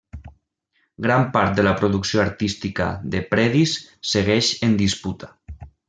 Gran part de la producció artística de Predis segueix en disputa.